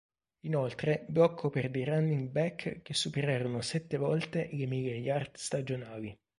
Inoltre blocco per dei running back che superarono sette volte le mille yard stagionali.